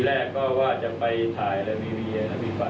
แต่พอไปเจอน้องเขานี่น้องเขาบอกว่า